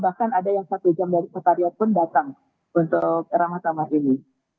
bahkan ada yang satu jam dari sektariat pun datang untuk ramah tamah ini